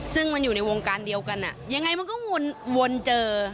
ซึ่งมันอยู่ในวงการเดียวกันยังไงมันก็วนเจอ